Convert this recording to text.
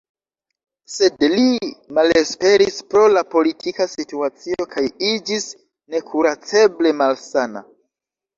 Sed li malesperis pro la politika situacio kaj iĝis nekuraceble malsana.